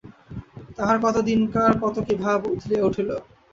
তাহার কত দিনকার কত কী ভাব উথলিয়া উঠিল।